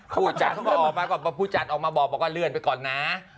พูดจัดเขาก็ออกมาก่อนพูดจัดออกมาบอกบอกว่าเลื่อนไปก่อนน่ะ